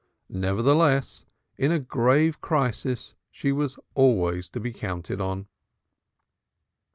Nevertheless, in a grave crisis she was always to be counted upon.